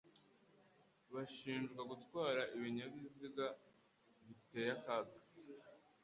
bashinjwa gutwara ibinyabiziga biteye akaga